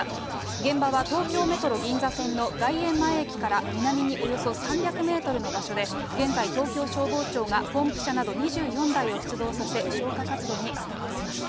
現場は東京メトロ銀座線の外苑前駅から南におよそ３００メートルの場所で、現在、東京消防庁が、ポンプ車など２４台を出動させ、消火活動に当たっています。